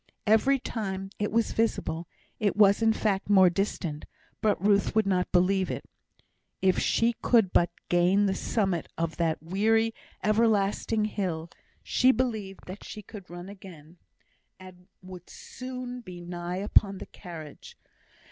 Every time it was visible it was in fact more distant, but Ruth would not believe it. If she could but gain the summit of that weary, everlasting hill, she believed that she could run again, and would soon be nigh upon the carriage.